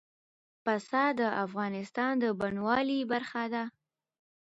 پسه د افغانستان د بڼوالۍ برخه ده.